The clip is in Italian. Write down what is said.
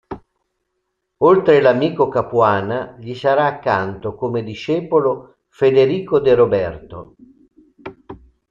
Oltre l'amico Capuana gli sarà accanto, come discepolo, Federico De Roberto.